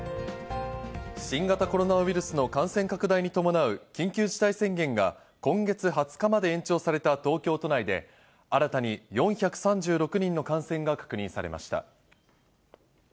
新型コロナウイルスの感染拡大に伴う緊急事態宣言が今月２０日まで延長された東京都内で、新たに４３６人の感染が確認されました。